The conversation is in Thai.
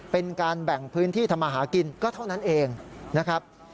เป็นการแบ่งพื้นที่ทำมาหากินก็เท่านั้นเองนะครับ